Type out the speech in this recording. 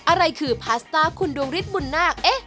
อะไรคือพาสต้าคุณดวงริสต์บุญนาคเอ๊ะ